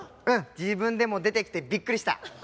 自分でも出てきてびっくりした。